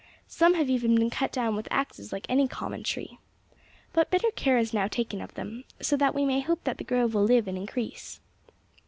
Some have even been cut down with axes like any common tree. But better care is now taken of them; so that we may hope that the grove will live and increase."